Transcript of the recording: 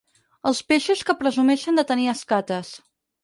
Els peixos que presumeixen de tenir escates.